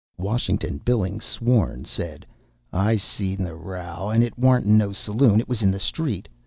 Washington Billings, sworn, said: "I see the row, and it warn't in no saloon it was in the street.